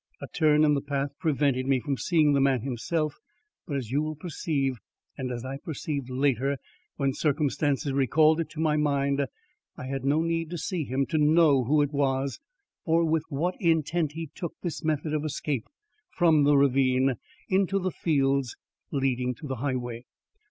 A turn in the path prevented me from seeing the man himself, but as you will perceive and as I perceived later when circumstances recalled it to my mind, I had no need to see him to know who it was or with what intent he took this method of escape from the ravine into the fields leading to the highway.